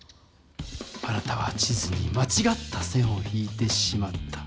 あなたは地図にまちがった線を引いてしまった。